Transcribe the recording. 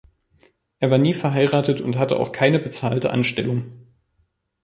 Er war nie verheiratet und hatte auch keine bezahlte Anstellung.